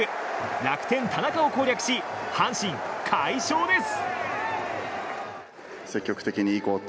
楽天、田中を攻略し阪神、快勝です。